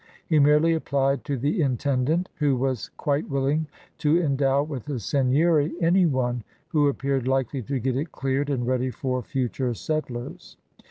He merely applied to the intendant, who was quite willing to endow with a seigneury any one who appeared likely to get it cleared and ready for future settlers.